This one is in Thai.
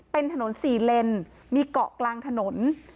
เป็นถนน๔เลนมีเกาะกลางถนน